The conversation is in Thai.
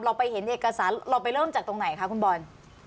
ไปเห็นเอกสารเราไปเริ่มจากตรงไหนคะคุณบอล